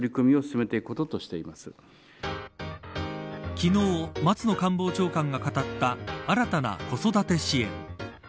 昨日、松野官房長官が語った新たな子育て支援。